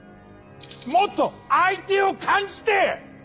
もっと相手を感じて！